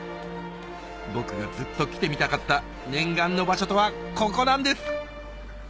僕がずっと来てみたかった念願の場所とはここなんです！